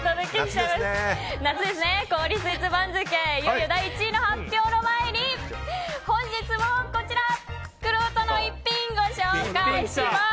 氷スイーツ番付いよいよ第１位の発表の前に本日もこちらくろうとの逸品、ご紹介します。